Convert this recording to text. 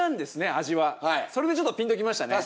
それでちょっとピンときましたね